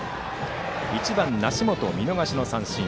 １番、梨本を見逃し三振。